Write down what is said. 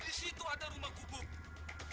di situ ada rumah gubuk